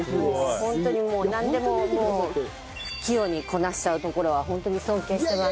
ホントにもうなんでも器用にこなしちゃうところはホントに尊敬してます。